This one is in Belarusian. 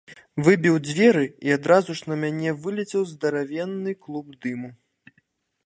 Выбіў дзверы, і адразу ж на мяне вылецеў здаравенны клуб дыму.